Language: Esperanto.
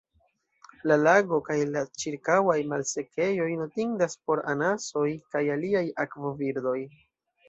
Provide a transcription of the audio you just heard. La lago kaj la ĉirkaŭaj malsekejoj notindas por anasoj kaj aliaj akvobirdoj.